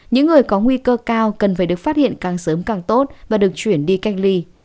những người có nguy cơ cao cần phải được phát hiện càng sớm càng tốt và được chuyển đi cách ly